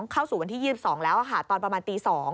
เข้าสู่วันที่๒๒แล้วค่ะตอนประมาณตี๒